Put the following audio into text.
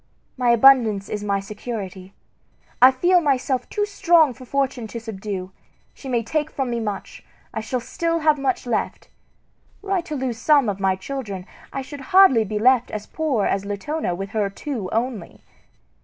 My abundance is my security. I feel myself too strong for Fortune to subdue. She may take from me much; I shall still have much left. Were I to lose some of my children, I should hardly be left as poor as Latona with her two only.